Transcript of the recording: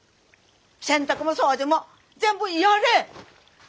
洗濯も掃除も全部やれ。